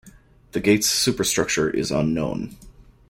The gate's superstructure is unknown.